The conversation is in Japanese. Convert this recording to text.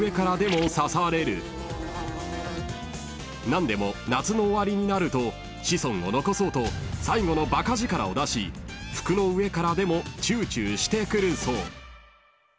［なんでも夏の終わりになると子孫を残そうと最後のばか力を出し服の上からでもチューチューしてくるそう］